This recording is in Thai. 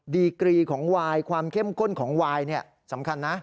ดีกรีของวายความเข้มข้นของวายสำคัญนะ